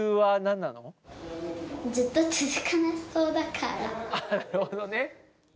なるほどね。